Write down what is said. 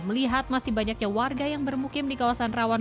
melihat masih banyaknya warga yang bermukim di kawasan rawan